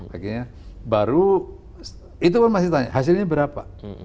akhirnya baru itu pun masih ditanya hasilnya berapa